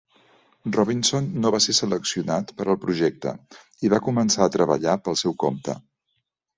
Robinson no va ser seleccionat per al projecte i va començar a treballar pel seu compte.